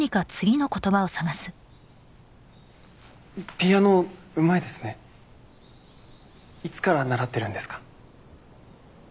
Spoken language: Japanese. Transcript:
ピアノうまいですねいつから習ってるんですか？